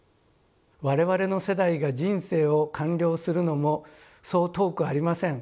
「我々の世代が人生を完了するのもそう遠くありません。